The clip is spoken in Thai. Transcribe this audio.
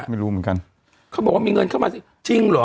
ไม่รู้เหมือนกันเขาบอกว่ามีเงินเข้ามาจริงเหรอ